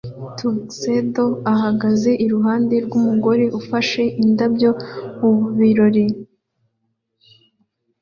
tuxedo ahagaze iruhande rwumugore ufashe indabyo mubirori